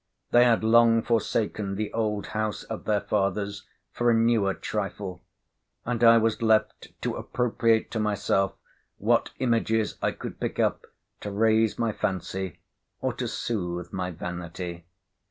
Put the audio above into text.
They had long forsaken the old house of their fathers for a newer trifle; and I was left to appropriate to myself what images I could pick up, to raise my fancy, or to soothe my vanity.